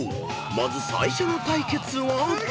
［まず最初の対決は］